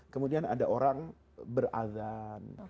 kemudian ada orang beradhan